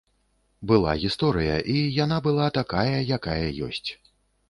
Была гісторыя, і яна была такая, якая ёсць.